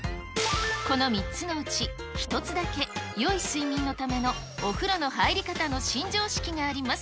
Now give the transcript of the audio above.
この３つのうち、１つだけよい睡眠のためのお風呂の入り方の新常識があります。